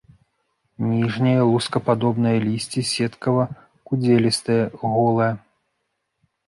Ніжняе лускападобнае лісце сеткава-кудзелістае, голае.